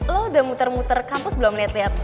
lo udah muter muter kampus belum liat liat